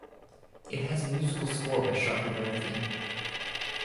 It has musical score by Chakravarthi.